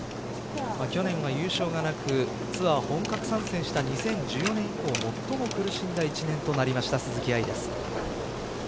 去年は優勝がなくツアー本格参戦した２０１４年以降最も苦しんだ一年となりました、鈴木愛です。